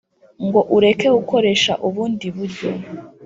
ngo ureke gukoresha ubundi buryo